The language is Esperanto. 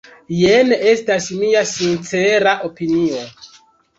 Jen estas mia sincera opinio.